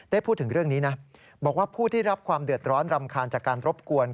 พูดถึงเรื่องนี้นะบอกว่าผู้ที่รับความเดือดร้อนรำคาญจากการรบกวน